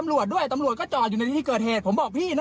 แล้วตำรวจก็ขับรถหนีไอ้คืออะไรวะ